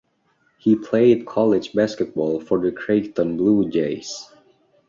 He played college basketball for the Creighton Bluejays.